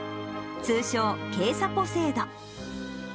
通称、けいさぽ制度。